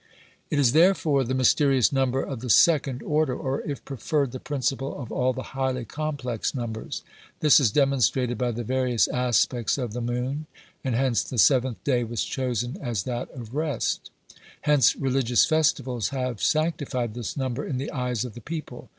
It is therefore the mys terious number of the second order, or, if preferred, the principle of all the highly complex numbers. This is demonstrated by the various aspects of the moon, and hence the seventh day was chosen as that of rest. Hence religious festivals have sanctified this number in the eyes of the people.